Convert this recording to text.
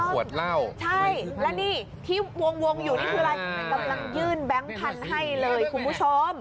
กำลังยื่นแบงค์พันธุ์ให้เลยคุณผู้ชม